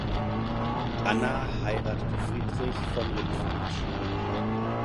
Anna heiratete Friedrich von Rindfleisch.